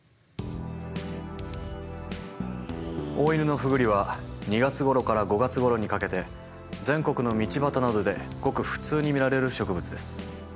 オオイヌノフグリは２月ごろから５月ごろにかけて全国の道端などでごく普通に見られる植物です。